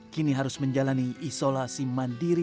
kini harus menjalani isolasi mandiri